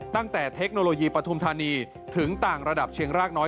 เทคโนโลยีปฐุมธานีถึงต่างระดับเชียงรากน้อย